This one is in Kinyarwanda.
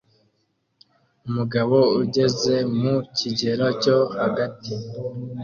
Umugabo ugeze mu kigero cyo hagat